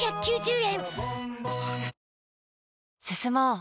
進もう。